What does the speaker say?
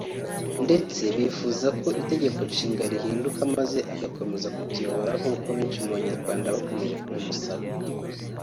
ndetse bifuza ko Itegeko Nshinga rihinduka maze agakomeza kutuyobora nkuko benshi mu banyarwanda bakomeje kubimusaba